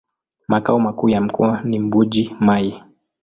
Makao makuu ya mkoa ni Mbuji-Mayi.